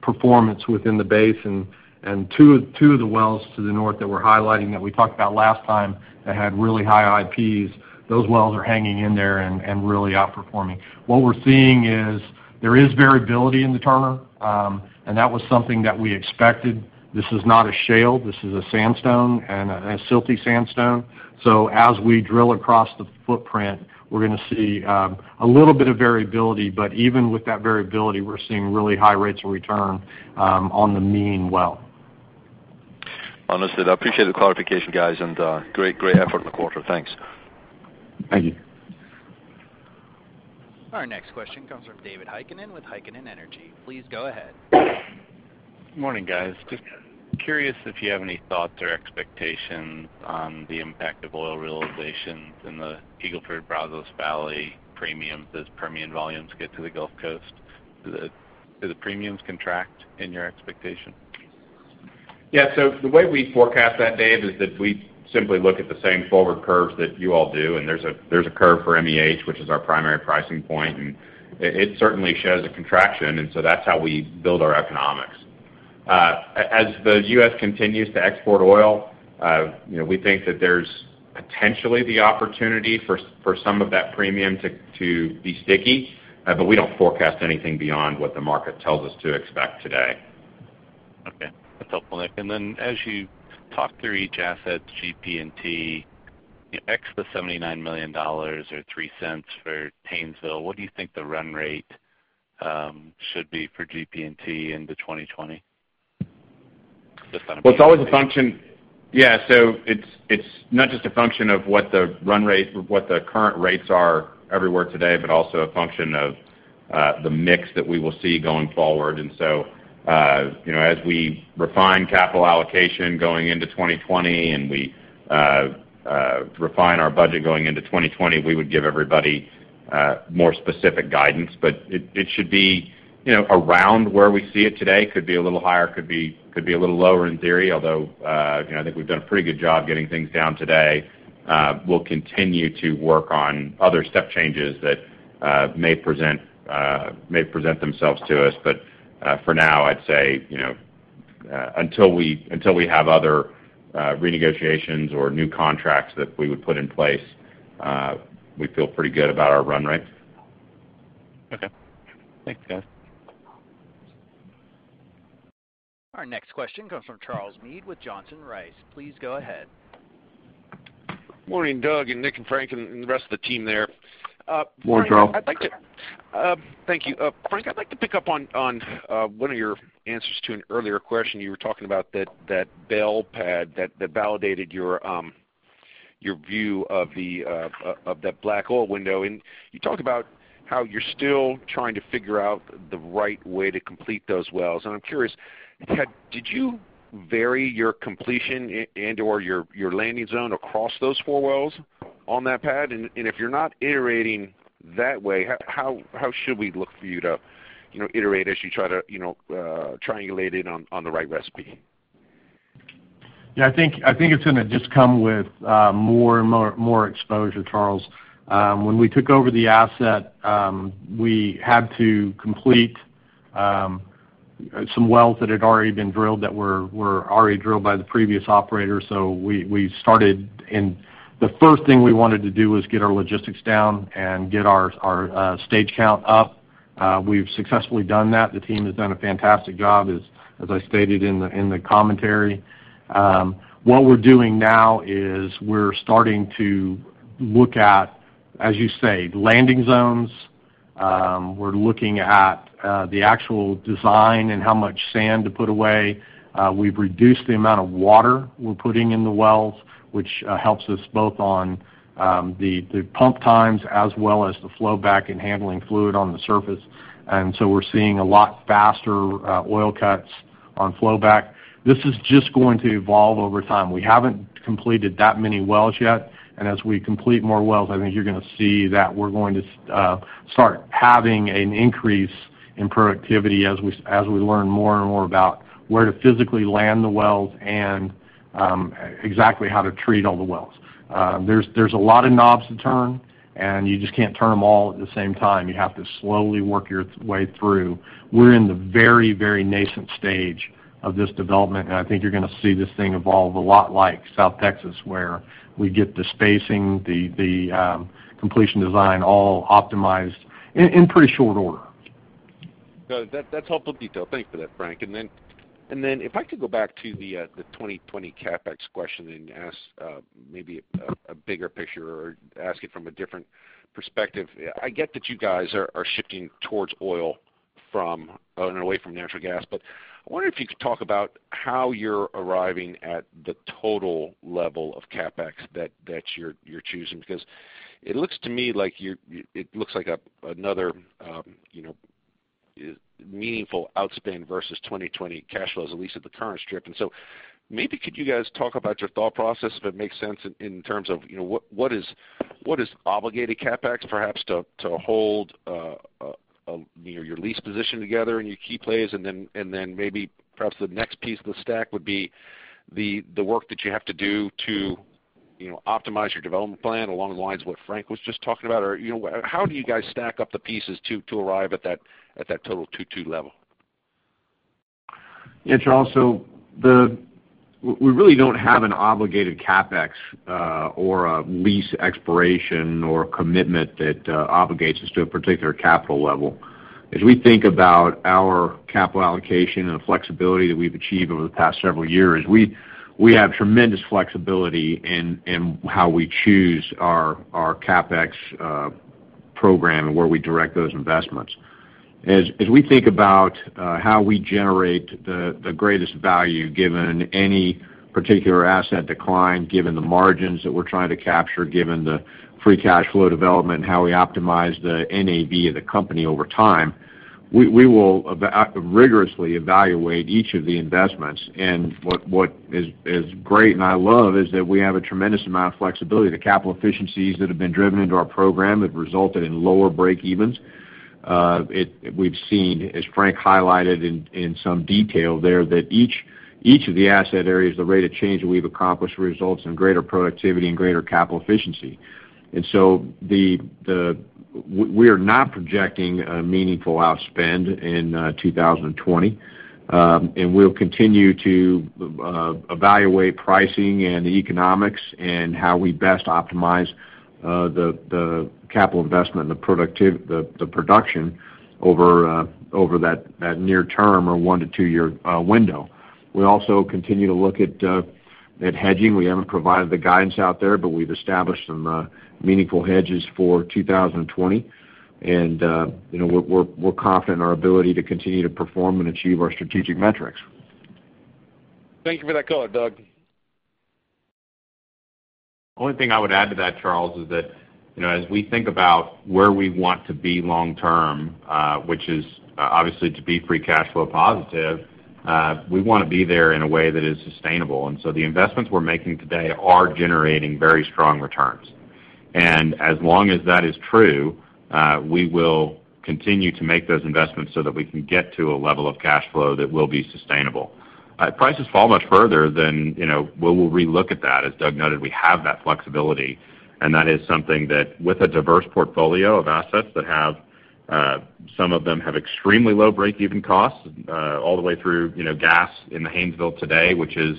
performance within the basin and two of the wells to the north that we're highlighting that we talked about last time that had really high IPs, those wells are hanging in there and really outperforming. What we're seeing is there is variability in the Turner, and that was something that we expected. This is not a shale, this is a sandstone and a silty sandstone. As we drill across the footprint, we're going to see a little bit of variability, but even with that variability, we're seeing really high rates of return on the mean well. Understood. I appreciate the clarification, guys, and great effort in the quarter. Thanks. Thank you. Our next question comes from David Heikkinen with Heikkinen Energy. Please go ahead. Morning, guys. Curious if you have any thoughts or expectations on the impact of oil realizations in the Eagle Ford Brazos Valley premiums as Permian volumes get to the Gulf Coast? Do the premiums contract in your expectation? The way we forecast that, Dave, is that we simply look at the same forward curves that you all do. There's a curve for MEH, which is our primary pricing point. It certainly shows a contraction. That's how we build our economics. As the U.S. continues to export oil, we think that there's potentially the opportunity for some of that premium to be sticky. We don't forecast anything beyond what the market tells us to expect today. Okay. That's helpful, Nick. As you talk through each asset, GP&T, ex the $79 million or $0.03 for Haynesville, what do you think the run rate should be for GP&T into 2020? Well, it's always a function. Yeah. It's not just a function of what the current rates are everywhere today, but also a function of the mix that we will see going forward. As we refine capital allocation going into 2020, and we refine our budget going into 2020, we would give everybody more specific guidance. It should be around where we see it today. Could be a little higher, could be a little lower in theory, although, I think we've done a pretty good job getting things down today. We'll continue to work on other step changes that may present themselves to us. For now, I'd say, until we have other renegotiations or new contracts that we would put in place, we feel pretty good about our run rate. Okay. Thanks, guys. Our next question comes from Charles Meade with Johnson Rice. Please go ahead. Morning, Doug and Nick and Frank and the rest of the team there. Morning, Charles. Thank you. Frank, I'd like to pick up on one of your answers to an earlier question. You were talking about that bell pad that validated your view of that black oil window. You talked about how you're still trying to figure out the right way to complete those wells, and I'm curious, did you vary your completion and/or your landing zone across those four wells on that pad? If you're not iterating that way, how should we look for you to iterate as you try to triangulate in on the right recipe? Yeah, I think it's going to just come with more and more exposure, Charles. When we took over the asset, we had to complete some wells that had already been drilled that were already drilled by the previous operator. We started, and the first thing we wanted to do was get our logistics down and get our stage count up. We've successfully done that. The team has done a fantastic job, as I stated in the commentary. What we're doing now is we're starting to look at, as you say, landing zones. We're looking at the actual design and how much sand to put away. We've reduced the amount of water we're putting in the wells, which helps us both on the pump times as well as the flow back and handling fluid on the surface, and so we're seeing a lot faster oil cuts on flow back. This is just going to evolve over time. We haven't completed that many wells yet, and as we complete more wells, I think you're going to see that we're going to start having an increase in productivity as we learn more and more about where to physically land the wells and exactly how to treat all the wells. There's a lot of knobs to turn, and you just can't turn them all at the same time. You have to slowly work your way through. We're in the very, very nascent stage of this development, and I think you're going to see this thing evolve a lot like South Texas, where we get the spacing, the completion design all optimized in pretty short order. No. That's helpful detail. Thank you for that, Frank. If I could go back to the 2020 CapEx question and ask maybe a bigger picture or ask it from a different perspective. I get that you guys are shifting towards oil and away from natural gas, but I wonder if you could talk about how you're arriving at the total level of CapEx that you're choosing, because it looks to me like another meaningful outspend versus 2020 cash flows, at least at the current strip. Maybe could you guys talk about your thought process, if it makes sense, in terms of what is obligated CapEx, perhaps to hold your lease position together in your key plays, and then maybe perhaps the next piece of the stack would be the work that you have to do to optimize your development plan along the lines of what Frank was just talking about? How do you guys stack up the pieces to arrive at that total 22 level? Yeah, Charles. We really don't have an obligated CapEx or a lease expiration or commitment that obligates us to a particular capital level. As we think about our capital allocation and the flexibility that we've achieved over the past several years, we have tremendous flexibility in how we choose our CapEx program and where we direct those investments. As we think about how we generate the greatest value, given any particular asset decline, given the margins that we're trying to capture, given the free cash flow development, and how we optimize the NAV of the company over time, we will rigorously evaluate each of the investments. What is great, and I love, is that we have a tremendous amount of flexibility. The capital efficiencies that have been driven into our program have resulted in lower breakevens. We've seen, as Frank highlighted in some detail there, that each of the asset areas, the rate of change that we've accomplished results in greater productivity and greater capital efficiency. We are not projecting a meaningful outspend in 2020. We'll continue to evaluate pricing and the economics and how we best optimize the capital investment and the production over that near term or one-to-two-year window. We also continue to look at hedging. We haven't provided the guidance out there, we've established some meaningful hedges for 2020. We're confident in our ability to continue to perform and achieve our strategic metrics. Thank you for that color, Doug. The only thing I would add to that, Charles, is that as we think about where we want to be long term, which is obviously to be free cash flow positive, we want to be there in a way that is sustainable. The investments we're making today are generating very strong returns. As long as that is true, we will continue to make those investments so that we can get to a level of cash flow that will be sustainable. If prices fall much further, then we'll re-look at that. As Doug noted, we have that flexibility, and that is something that with a diverse portfolio of assets that some of them have extremely low break-even costs all the way through gas in the Haynesville today, which is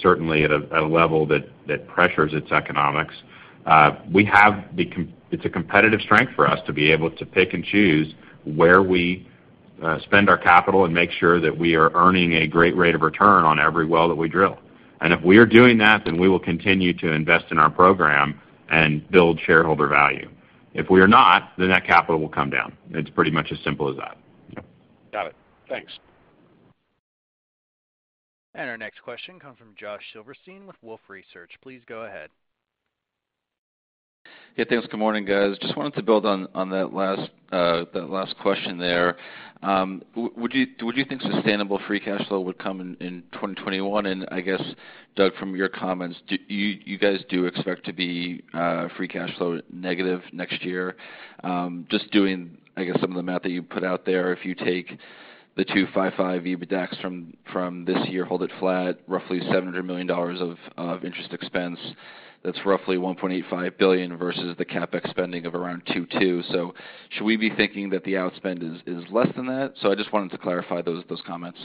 certainly at a level that pressures its economics. It's a competitive strength for us to be able to pick and choose where we spend our capital and make sure that we are earning a great rate of return on every well that we drill. If we are doing that, then we will continue to invest in our program and build shareholder value. If we are not, then that capital will come down. It's pretty much as simple as that. Got it. Thanks. Our next question comes from Josh Silverstein with Wolfe Research. Please go ahead. Yeah, thanks. Good morning, guys. Wanted to build on that last question there. Do you think sustainable free cash flow would come in 2021? I guess, Doug, from your comments, you guys do expect to be free cash flow negative next year? Doing, I guess, some of the math that you put out there. If you take the 255 EBITDAX from this year, hold it flat, roughly $700 million of interest expense, that's roughly $1.85 billion versus the CapEx spending of around $2.2 billion. Should we be thinking that the outspend is less than that? Wanted to clarify those comments.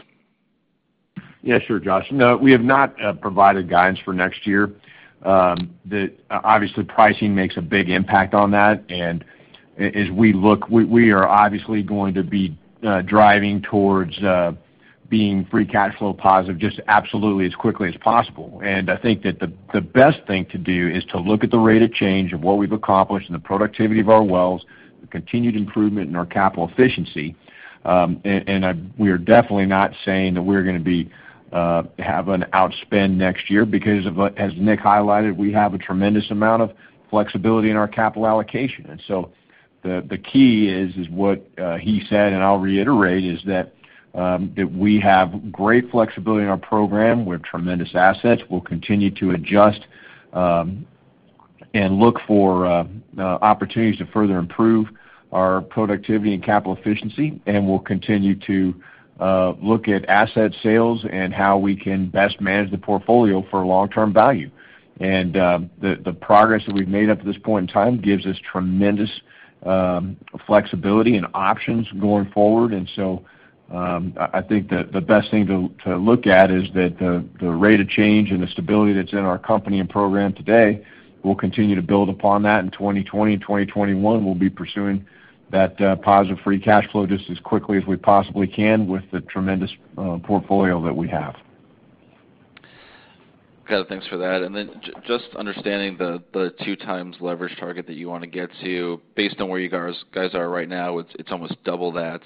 Yeah, sure, Josh. No, we have not provided guidance for next year. Obviously, pricing makes a big impact on that, as we look, we are obviously going to be driving towards being free cash flow positive just absolutely as quickly as possible. I think that the best thing to do is to look at the rate of change of what we've accomplished and the productivity of our wells, the continued improvement in our capital efficiency. We are definitely not saying that we're going to have an outspend next year because, as Nick highlighted, we have a tremendous amount of flexibility in our capital allocation. The key is what he said, and I'll reiterate, is that we have great flexibility in our program. We have tremendous assets. We'll continue to adjust and look for opportunities to further improve our productivity and capital efficiency. We'll continue to look at asset sales and how we can best manage the portfolio for long-term value. The progress that we've made up to this point in time gives us tremendous flexibility and options going forward. I think that the best thing to look at is that the rate of change and the stability that's in our company and program today, we'll continue to build upon that in 2020 and 2021. We'll be pursuing that positive free cash flow just as quickly as we possibly can with the tremendous portfolio that we have. Got it. Thanks for that. Just understanding the two times leverage target that you want to get to. Based on where you guys are right now, it's almost double that.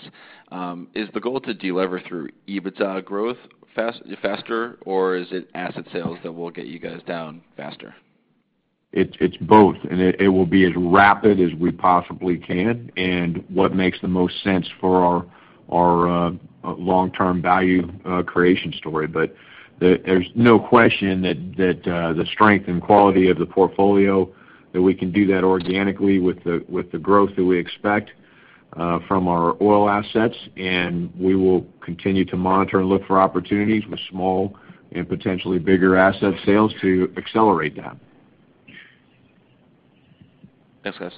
Is the goal to delever through EBITDA growth faster, or is it asset sales that will get you guys down faster? It's both, and it will be as rapid as we possibly can and what makes the most sense for our long-term value creation story. There's no question that the strength and quality of the portfolio, that we can do that organically with the growth that we expect from our oil assets, and we will continue to monitor and look for opportunities with small and potentially bigger asset sales to accelerate that. Thanks, guys.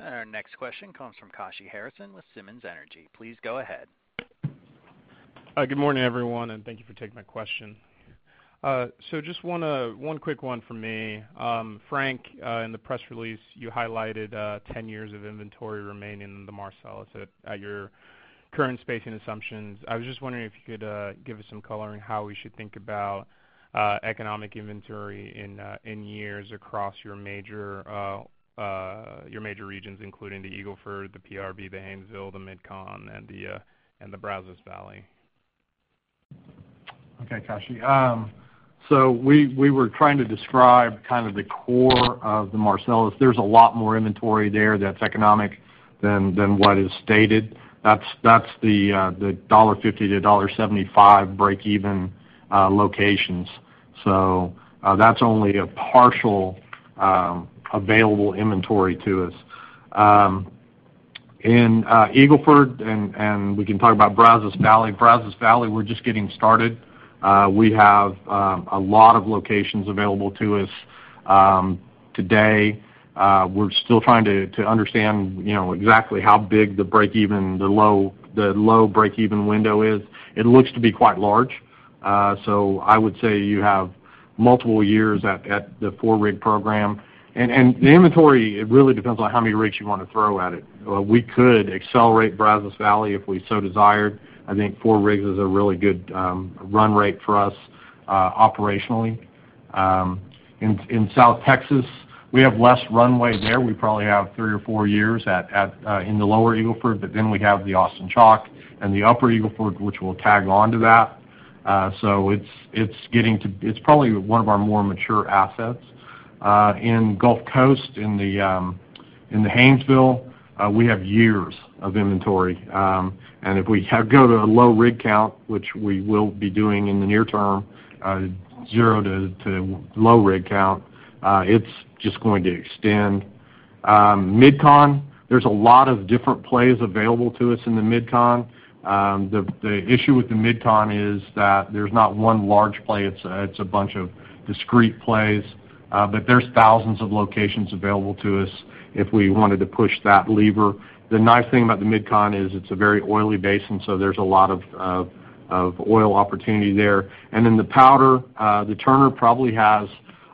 Our next question comes from Kashy Harrison with Simmons Energy. Please go ahead. Hi. Good morning, everyone, and thank you for taking my question. Just one quick one from me. Frank, in the press release, you highlighted 10 years of inventory remaining in the Marcellus at your current spacing assumptions. I was just wondering if you could give us some color on how we should think about economic inventory in years across your major regions, including the Eagle Ford, the PRB, the Haynesville, the MidCon, and the Brazos Valley. Okay, Kashy. We were trying to describe the core of the Marcellus. There's a lot more inventory there that's economic than what is stated. That's the $1.50-$1.75 breakeven locations. That's only a partial available inventory to us. In Eagle Ford, and we can talk about Brazos Valley. Brazos Valley, we're just getting started. We have a lot of locations available to us today. We're still trying to understand exactly how big the low breakeven window is. It looks to be quite large. I would say you have multiple years at the four-rig program. The inventory, it really depends on how many rigs you want to throw at it. We could accelerate Brazos Valley if we so desired. I think four rigs is a really good run rate for us operationally. In South Texas, we have less runway there. We probably have three or four years in the lower Eagle Ford, we have the Austin Chalk and the upper Eagle Ford, which will tag onto that. It's probably one of our more mature assets. In Gulf Coast, in the Haynesville, we have years of inventory. If we go to a low rig count, which we will be doing in the near term, zero to low rig count, it's just going to extend. MidCon, there's a lot of different plays available to us in the MidCon. The issue with the MidCon is that there's not one large play. It's a bunch of discrete plays. There's thousands of locations available to us if we wanted to push that lever. The nice thing about the MidCon is it's a very oily basin, there's a lot of oil opportunity there. In the Powder, the Turner probably has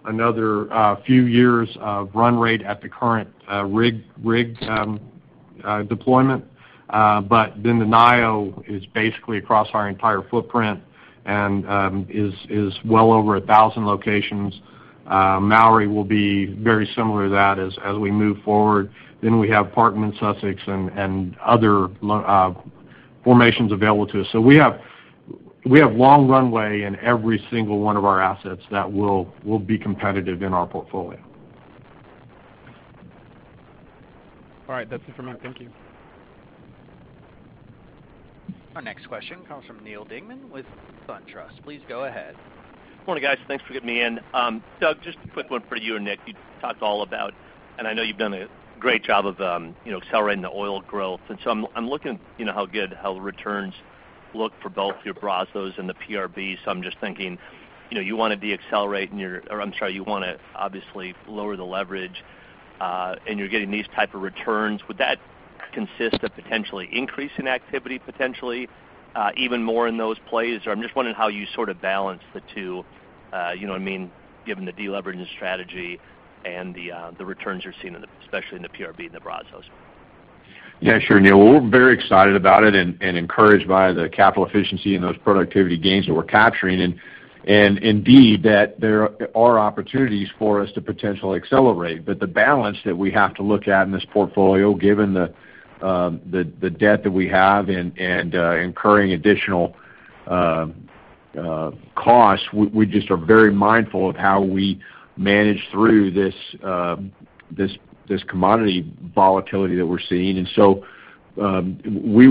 another few years of run rate at the current rig deployment. The NGL is basically across our entire footprint and is well over 1,000 locations. Mowry will be very similar to that as we move forward. We have Parkman, Sussex, and other formations available to us. We have long runway in every single one of our assets that will be competitive in our portfolio. All right. That's it for me. Thank you. Our next question comes from Neal Dingmann with SunTrust. Please go ahead. Morning, guys. Thanks for getting me in. Doug, just a quick one for you and Nick. You talked all about, I know you've done a great job of accelerating the oil growth. I'm looking how good, how the returns look for both your Brazos and the PRB. I'm just thinking, you want to deaccelerate or I'm sorry, you want to obviously lower the leverage, and you're getting these type of returns. Would that consist of potentially increasing activity potentially even more in those plays? I'm just wondering how you sort of balance the two, you know what I mean, given the de-leveraging strategy and the returns you're seeing, especially in the PRB and the Brazos. Yeah, sure, Neal. We're very excited about it and encouraged by the capital efficiency and those productivity gains that we're capturing and indeed, that there are opportunities for us to potentially accelerate. The balance that we have to look at in this portfolio, given the debt that we have and incurring additional costs, we just are very mindful of how we manage through this commodity volatility that we're seeing. We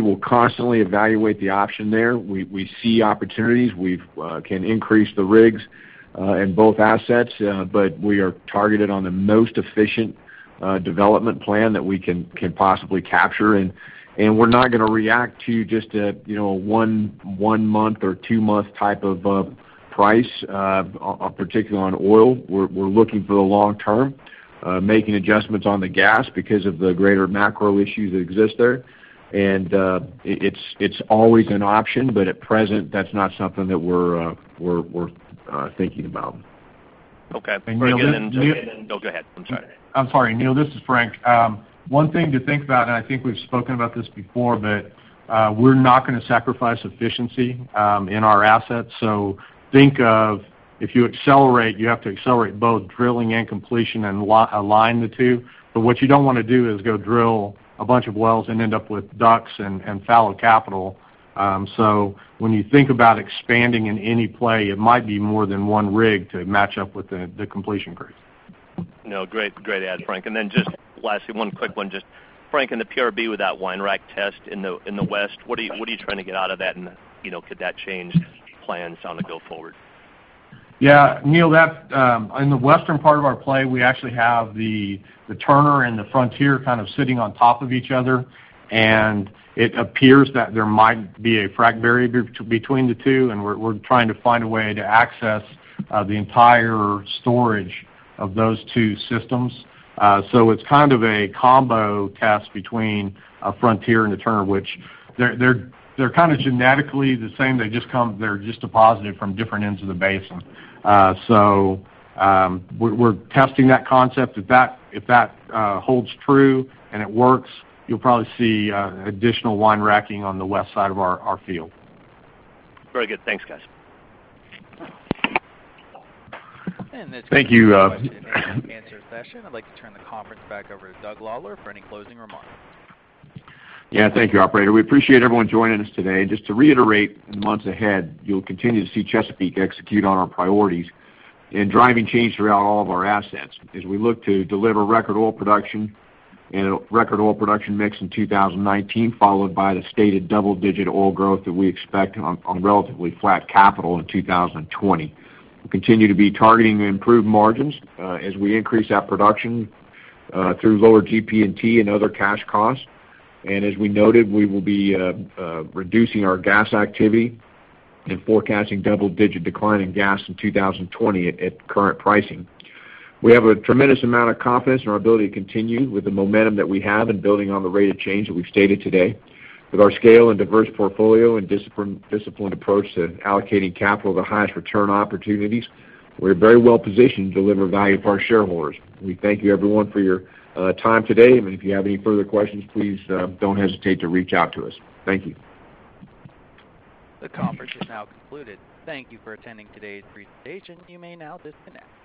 will constantly evaluate the option there. We see opportunities. We can increase the rigs in both assets, but we are targeted on the most efficient development plan that we can possibly capture. We're not going to react to just a one-month or two-month type of price, particularly on oil. We're looking for the long term, making adjustments on the gas because of the greater macro issues that exist there. It's always an option, but at present, that's not something that we're thinking about. Okay. Thanks very good. No, go ahead. I'm sorry. I'm sorry, Neal, this is Frank. One thing to think about, and I think we've spoken about this before, but we're not going to sacrifice efficiency in our assets. Think of if you accelerate, you have to accelerate both drilling and completion and align the two. What you don't want to do is go drill a bunch of wells and end up with DUCs and fallow capital. When you think about expanding in any play, it might be more than one rig to match up with the completion crew. No, great add, Frank. Just lastly, one quick one, just Frank, in the PRB with that Windy Ridge test in the West, what are you trying to get out of that? Could that change plans on the go forward? Yeah, Neal, in the western part of our play, we actually have the Turner and the Frontier kind of sitting on top of each other, and it appears that there might be a frack barrier between the two, and we're trying to find a way to access the entire storage of those two systems. It's kind of a combo test between Frontier and the Turner, which they're genetically the same. They're just deposited from different ends of the basin. We're testing that concept. If that holds true and it works, you'll probably see additional line racking on the west side of our field. Very good. Thanks, guys. Thank you. That's it for the question and answer session. I'd like to turn the conference back over to Doug Lawler for any closing remarks. Yeah. Thank you, operator. We appreciate everyone joining us today. Just to reiterate, in the months ahead, you'll continue to see Chesapeake execute on our priorities and driving change throughout all of our assets, as we look to deliver record oil production and a record oil production mix in 2019, followed by the stated double-digit oil growth that we expect on relatively flat capital in 2020. We'll continue to be targeting improved margins as we increase our production through lower GP&T and other cash costs. As we noted, we will be reducing our gas activity and forecasting double-digit decline in gas in 2020 at current pricing. We have a tremendous amount of confidence in our ability to continue with the momentum that we have and building on the rate of change that we've stated today. With our scale and diverse portfolio and disciplined approach to allocating capital to the highest return opportunities, we're very well positioned to deliver value for our shareholders. We thank you, everyone, for your time today. If you have any further questions, please don't hesitate to reach out to us. Thank you. The conference is now concluded. Thank you for attending today's presentation. You may now disconnect.